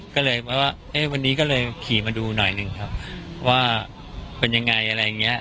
ก็เลยว่าเอ๊ะวันนี้ก็เลยขี่มาดูหน่อยหนึ่งครับว่าเป็นยังไงอะไรอย่างเงี้ย